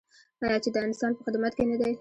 آیا چې د انسان په خدمت کې نه دی؟